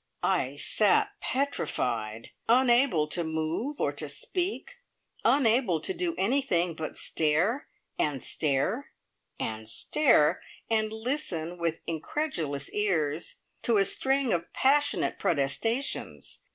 I sat petrified, unable to move or to speak, unable to do anything but stare, and stare, and stare, and listen with incredulous ears to a string of passionate protestations.